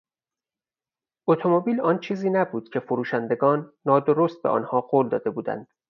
اتومبیل، آن چیزی نبود که فروشندگان نادرست به آنها قول داده بودند.